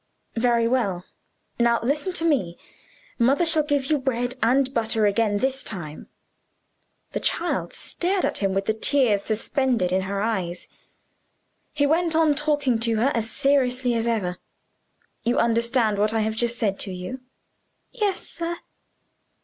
"Very well. Now listen to me. Mother shall give you bread and butter again this time." The child stared at him with the tears suspended in her eyes. He went on talking to her as seriously as ever. "You understand what I have just said to you?" "Yes, sir."